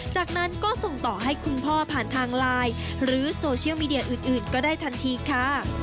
จากนั้นก็ส่งต่อให้คุณพ่อผ่านทางไลน์หรือโซเชียลมีเดียอื่นก็ได้ทันทีค่ะ